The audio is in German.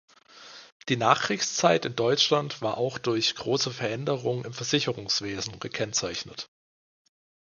Die Nachkriegszeit in Deutschland war auch durch große Veränderungen im Versicherungswesen gekennzeichnet.